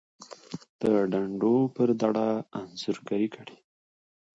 دډنډ پر دړه انځورګري کړي